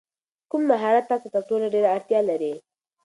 کوم مهارت ته تر ټولو ډېره اړتیا لرې؟